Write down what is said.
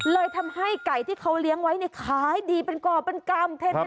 เลยทำให้ไก่ที่เขาเลี้ยงไว้เนี่ยขายดีเป็นก่อเป็นกรรม